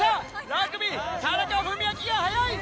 ラグビー田中史朗が速い！